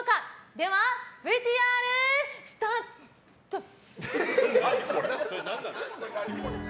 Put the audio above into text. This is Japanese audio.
では、ＶＴＲスタートッ！